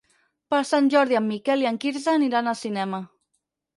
Per Sant Jordi en Miquel i en Quirze aniran al cinema.